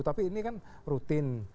tapi ini kan rutin